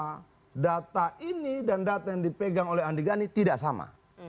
karena data ini dan data yang dipegang oleh andi gani tidak sama